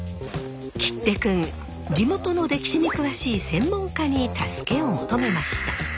切手君地元の歴史に詳しい専門家に助けを求めました。